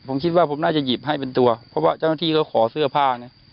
ผมคิดว่าผมน่าจะหยิบให้เป็นตัวเพราะว่าเจ้าหน้าที่เขาขอเสื้อผ้านะ